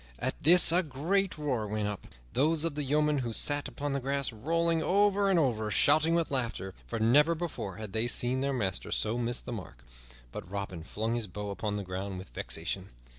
At this a great roar went up, those of the yeomen who sat upon the grass rolling over and over and shouting with laughter, for never before had they seen their master so miss his mark; but Robin flung his bow upon the ground with vexation.